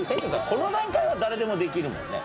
この段階は誰でもできるもんね？